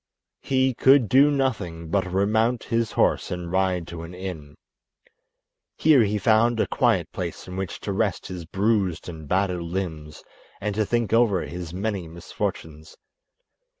He could do nothing but remount his horse and ride to an inn. Here he found a quiet place in which to rest his bruised and battered limbs and to think over his many misfortunes.